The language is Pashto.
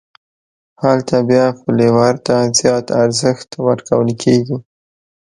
هلته بیا فلېور ته زیات ارزښت ورکول کېږي.